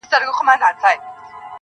نور مي له سترگو څه خوبونه مړه سول